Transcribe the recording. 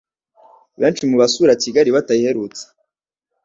Benshi mu basura Kigali batayiherutse